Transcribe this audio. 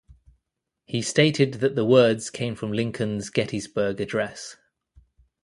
He stated that the words came from Lincoln's Gettysburg Address.